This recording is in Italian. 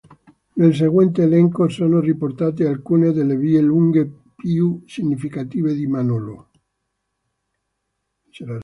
Nel seguente elenco sono riportate alcune delle vie lunghe più significative di Manolo.